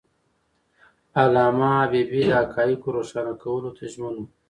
علامه حبيبي د حقایقو روښانه کولو ته ژمن و.